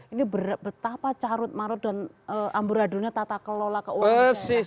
ini betapa carut marut dan amburadunya tata kelola keuangan